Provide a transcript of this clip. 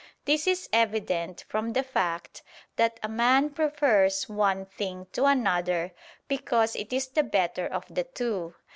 This is evident from the fact that a man prefers one thing to another because it is the better of the two.